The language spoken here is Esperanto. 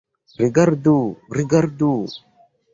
Rigardu, rigardu!